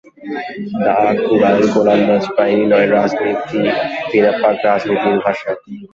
দা কুড়াল গোলন্দাজ বাহিনী নয়, রাজনীতি ফিরে পাক রাজনীতির ভাষা।